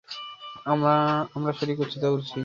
আমরা সঠিক উচ্চতায় উড়ছি।